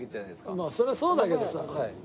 まあそれはそうだけどさ。